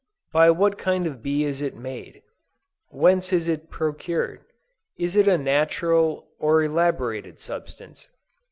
By what kind of bee is it made? Whence is it procured? Is it a natural or an elaborated substance?